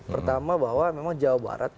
pertama bahwa memang jawa barat